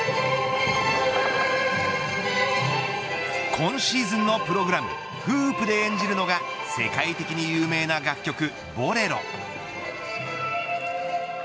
今シーズンのプログラムフープで演じるのが世界的に有名な楽曲、ボレロ。